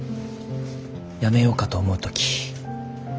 やめようかと思う時。